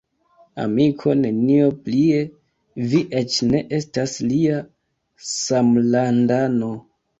Amiko, nenio plie: vi eĉ ne estas lia samlandano.